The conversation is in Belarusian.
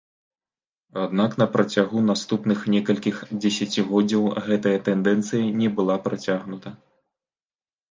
Аднак на працягу наступных некалькіх дзесяцігоддзяў гэтая тэндэнцыя не была працягнута.